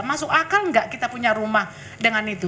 masuk akal nggak kita punya rumah dengan itu